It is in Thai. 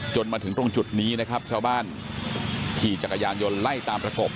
มาถึงตรงจุดนี้นะครับชาวบ้านขี่จักรยานยนต์ไล่ตามประกบ